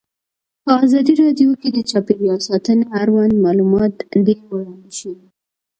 په ازادي راډیو کې د چاپیریال ساتنه اړوند معلومات ډېر وړاندې شوي.